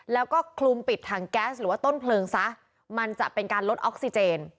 แล้วก็คลุมปิดถังแก๊สหรือว่าต้นเพลิงซะมันจะเป็นการลดออกซิเจน